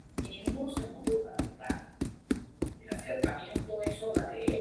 Habita en el paleártico: Europa y el noroeste de Oriente Próximo.